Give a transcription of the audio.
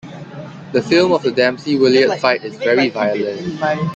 The film of the Dempsey-Willard fight is very violent.